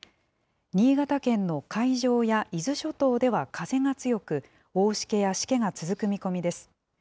新潟県の海上や伊豆諸島では風が強く、大しけやしけが続く見込みです。